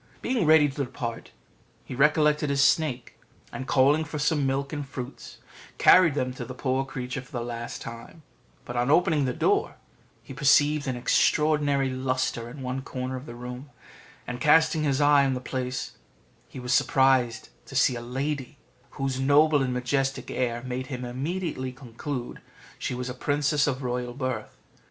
Being ready to depart, he recollected his snake, and, calling for some milk and fruits, carried them to the poor creature for the last time; but on opening the door he perceived an extraordinary lustre in one corner of the room, and casting his eye on the place he was surprised to see a lady, whose noble and majestic air made him immediately conclude she was a princess of royal birth.